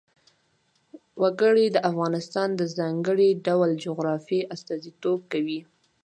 وګړي د افغانستان د ځانګړي ډول جغرافیه استازیتوب کوي.